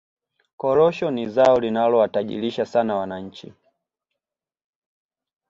korosho ni zao linalowatajirisha sana wananchi